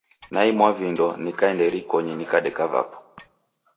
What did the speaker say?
Naimwa vindo, nikaenda irikonyi nikadeka vapo.